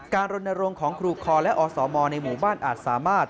รณรงค์ของครูคอและอสมในหมู่บ้านอาจสามารถ